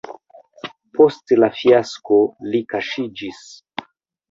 Post la fiasko li kaŝiĝis.